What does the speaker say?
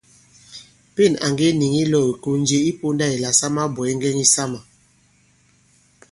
Pên à ŋge nìŋi ilɔ̄w ìkon je i pōndā ìla sa mabwɛ̀ɛ ŋgɛŋ yisamà.